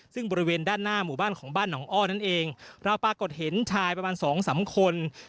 ซึ่งบริเวณด้านหน้าหมู่บ้านของบ้านหนองอ้อนั่นเองเราปรากฏเห็นชายประมาณสองสามคน